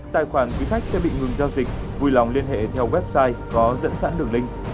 tài khoản quý khách sẽ bị ngừng giao dịch vui lòng liên hệ theo website có dẫn sẵn đường link